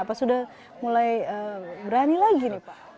apa sudah mulai berani lagi nih pak